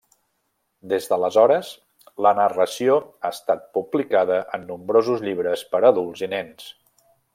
Des d'aleshores, la narració ha estat publicada en nombrosos llibres per a adults i nens.